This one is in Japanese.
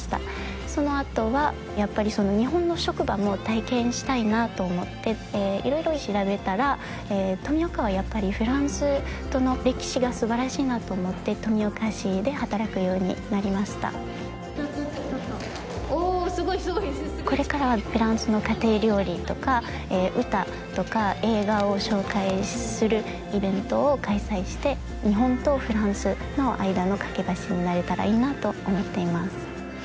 そのあとはやっぱり日本の職場も体験したいなと思っていろいろ調べたら富岡はやっぱりフランスとの歴史がすばらしいなと思って富岡市で働くようになりましたおすごいすごいこれからはフランスの家庭料理とか歌とか映画を紹介するイベントを開催して日本とフランスの間の懸け橋になれたらいいなと思っています